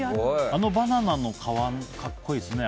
あのバナナの皮、格好いいですね。